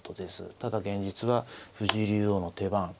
ただ現実は藤井竜王の手番。